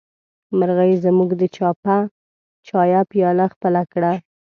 مرغۍ زموږ د چايه پياله خپله کړه.